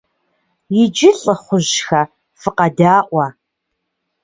Иджы, лӀыхъужьхэ, фыкъэдаӀуэ!